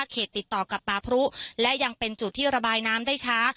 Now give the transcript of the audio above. ติดต่อกับป่าพรุและยังเป็นจุดที่ระบายน้ำได้ช้า